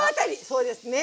そうですね。